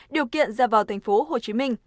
điều kiện ra vào tp hcm